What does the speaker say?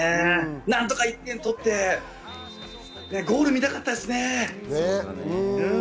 何とか１点取って、ゴール見たかったですね。